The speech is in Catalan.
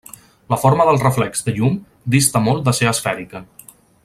La forma del reflex de llum dista molt de ser esfèrica.